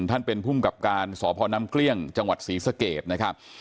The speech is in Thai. ท่านเป็นภูมิกับการสพน้ำเกลี้ยงจังหวัดศรีสเกตนะครับ